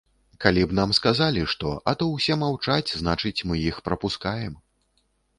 Калі б нам сказалі што, а то ўсе маўчаць, значыць, мы іх прапускаем.